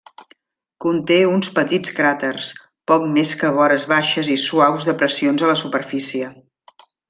Conté uns petits cràters, poc més que vores baixes i suaus depressions a la superfície.